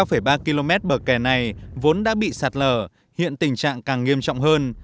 hôm nay ba ba km bờ kè này vốn đã bị sạt lở hiện tình trạng càng nghiêm trọng hơn